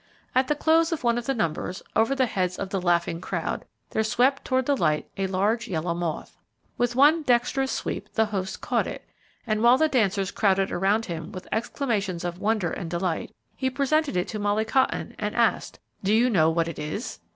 At the close of one of the numbers; over the heads of the laughing crowd, there swept toward the light a large yellow moth. With one dexterous sweep the host caught it, and while the dancers crowded around him with exclamations of wonder and delight, he presented it to Molly Cotton and asked, "Do you know what it is?"